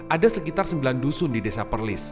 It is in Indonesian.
ada sekitar sembilan dusun di desa perlis